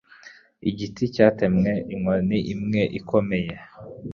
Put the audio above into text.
Igiti cyatemwe inkoni imwe ikomeye.